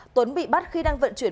tuấn bị bắt khi đang vận chuyển